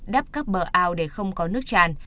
đắp các bờ ao để không có nước tràn